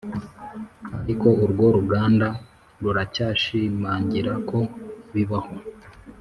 ariko urwo ruganda ruracyashimangira ko bibaho